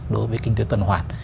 đối với kinh tế tuần hoàn